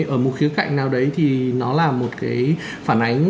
ở một khía cạnh nào đấy thì nó là một cái phản ánh